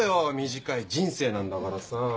短い人生なんだからさ。